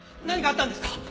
何かあったんですか！？